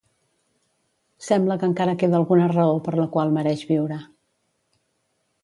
Sembla que encara queda alguna raó per la qual mereix viure.